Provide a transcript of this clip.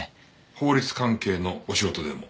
法律関係のお仕事でも？